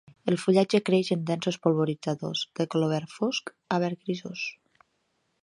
El fullatge creix en densos polvoritzadors, de color verd fosc a verd grisós.